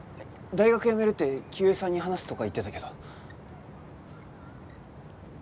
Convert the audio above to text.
大学やめるって清江さんに話すとか言ってたけど。